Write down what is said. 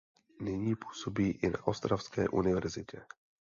Nyní působí i na Ostravské univerzitě.